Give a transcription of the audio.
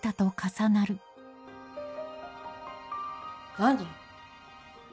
何？